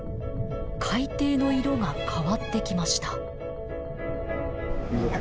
海底の色が変わってきました。